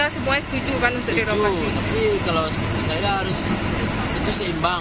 setuju tapi kalau seperti saya harus itu seimbang